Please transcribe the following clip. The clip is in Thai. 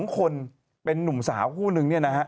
๒คนเป็นหนุ่มสาวคู่หนึ่ง